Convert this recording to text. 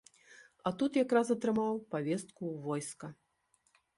А тут якраз атрымаў павестку ў войска.